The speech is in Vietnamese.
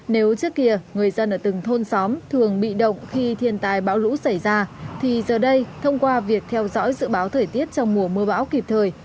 nếu trước kia người dân ở từng thôn xóm thường bị động khi thiên tai bão lũ xảy ra thì giờ đây thông qua việc theo dõi dự báo thời tiết trong mùa mưa bão kịp thời